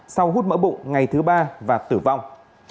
sau hút mỡ bụng ngày thứ ba và tử vong